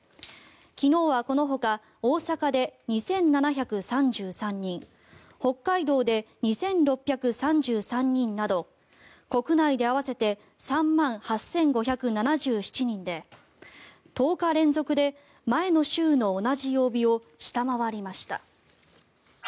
昨日はこのほか大阪で２７３３人北海道で２６３３人など国内で合わせて３万８５７７人で１０日連続で前の週の同じ曜日を下回りました。